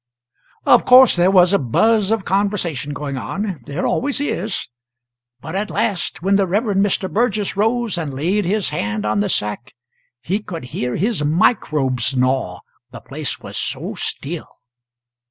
Of course there was a buzz of conversation going on there always is; but at last, when the Rev. Mr. Burgess rose and laid his hand on the sack, he could hear his microbes gnaw, the place was so still.